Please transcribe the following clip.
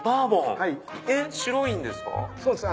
えっ白いんですか？